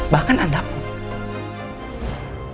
bahkan anda pun